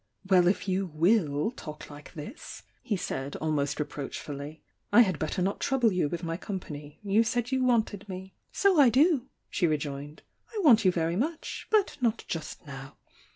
"Well, if you will talk like this," he said, almost reproachfully— "I had better not trouble you with my company — you said you wanted me " "So I do!" she rejoined — "I want you very much! — but not just now!